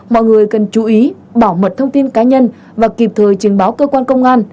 mọi người cần chú ý bảo mật thông tin cá nhân và kịp thời trình báo cơ quan công an